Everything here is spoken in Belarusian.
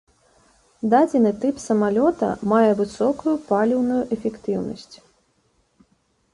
Дадзены тып самалёта мае высокую паліўную эфектыўнасць.